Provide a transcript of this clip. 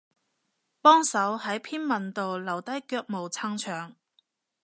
幫手喺篇文度留低腳毛撐場